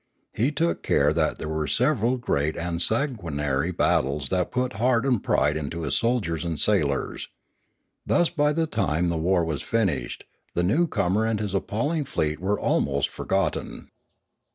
He took care that there were several great and sanguinary battles that put heart and pride into his soldiers and sailors. Thus by the time the war was finished, the newcomer and his appalling fleet were almost forgotten.